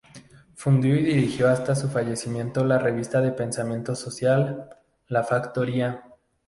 Fundó y dirigió hasta su fallecimiento la revista de pensamiento social, "La Factoría".